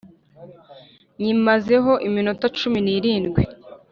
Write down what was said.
Nyimaze ho iminota cumi n’irindwi